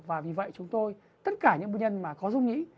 và vì vậy chúng tôi tất cả những bệnh nhân có rung nhĩ